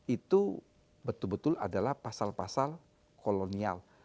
itu betul betul adalah pasal pasal kolonial